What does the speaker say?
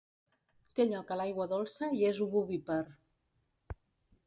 Té lloc a l'aigua dolça i és ovovivípar.